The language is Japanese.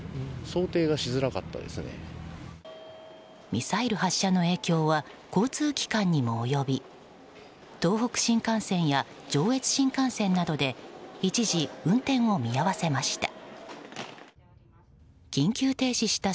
ミサイル発射の影響は交通機関にも及び東北新幹線や上越新幹線などで一時運転を見合わせました。